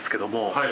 はい。